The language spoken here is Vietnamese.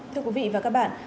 thưa quý vị và các bạn